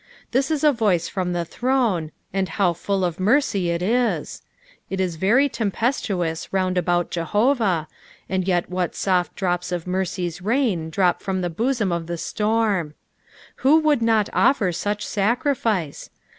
This is a voice from the throne, and how full of mercy it is I It is very tempestuous round about Jehovah, and yet what soft drops of mercy's rain drop from the boflom of the storm I Who would not offer such sacrifice